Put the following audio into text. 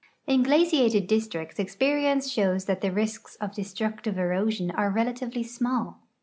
In glaciated districts exi»erience shows that the risks of de structive erosion are relatively small.